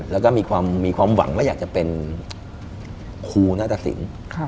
แล้วก็มีความหวังว่าอยากจะเป็นครูนาตสิน